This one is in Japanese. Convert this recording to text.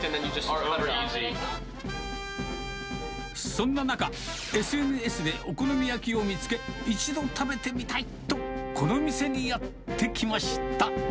そんな中、ＳＮＳでお好み焼きを見つけ、一度食べてみたいと、この店にやって来ました。